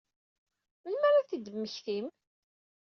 Melmi ara ad t-id-temmektim?